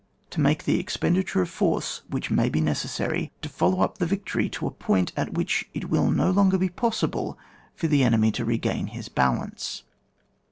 To mfiJce the expenditure of force which may be necessary to follow up the victory to a point at which it will no longer be possible for the enemy to re gain his balance.